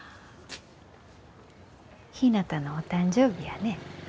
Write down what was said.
ひなたのお誕生日やね。